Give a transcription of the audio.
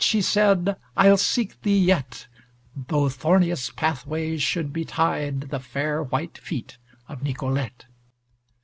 she said, "I'll seek thee yet, Though thorniest pathways should betide The fair white feet of Nicolete."